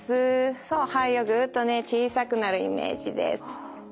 そう肺をぐっとね小さくなるイメージです。